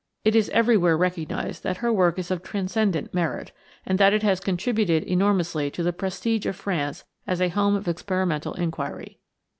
It is everywhere recognized that her work is of transcendent merit, and that it has contributed enormously to the prestige of France as a home of experimental inquiry.